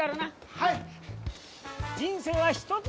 はい！